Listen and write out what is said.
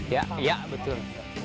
ya ya betul